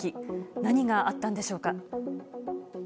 何があったんでしょうか。